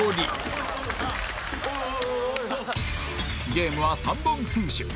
ゲームは３本先取